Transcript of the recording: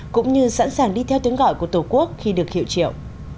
cũng như sẵn sàng đi theo tiếng gọi của tổ quốc khi được hiệu triệu